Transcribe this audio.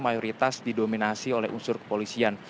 mayoritas didominasi oleh unsur kepolisian